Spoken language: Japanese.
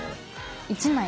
１枚。